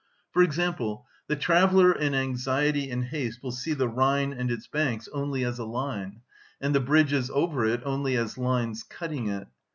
For example, the traveller in anxiety and haste will see the Rhine and its banks only as a line, and the bridges over it only as lines cutting it.